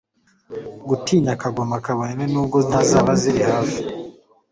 Gutinya Kagoma kabone nubwo ntazaba ziri hafi,